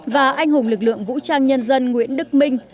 và anh hùng lực lượng vũ trang nhân dân nguyễn đức minh